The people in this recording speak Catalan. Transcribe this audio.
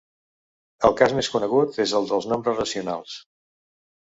El cas més conegut és el dels nombres racionals.